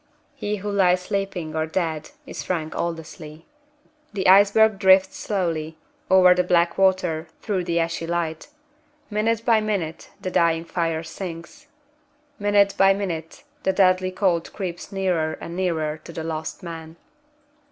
He who lies sleeping or dead is Frank Aldersley. The iceberg drifts slowly, over the black water, through the ashy light. Minute by minute the dying fire sinks. Minute by minute the deathly cold creeps nearer and nearer to the lost men.